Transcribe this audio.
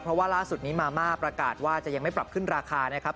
เพราะว่าล่าสุดนี้มาม่าประกาศว่าจะยังไม่ปรับขึ้นราคานะครับ